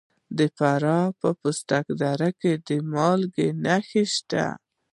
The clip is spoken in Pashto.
د فراه په پشت رود کې د مالګې نښې شته.